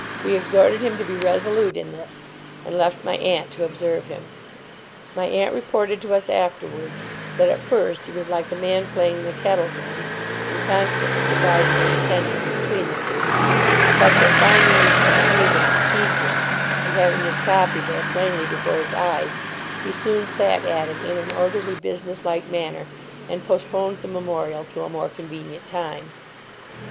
We exhorted him to be resolute in this, and left my aunt to observe him. My aunt reported to us, afterwards, that, at first, he was like a man playing the kettle drums, and constantly divided his attentions between the two; but that, finding this confuse and fatigue him, and having his copy there, plainly before his eyes, he soon sat at it in an orderly business like manner, and postponed the Memorial to a more convenient time.